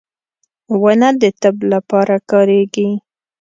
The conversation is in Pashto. • ونه د طب لپاره کارېږي.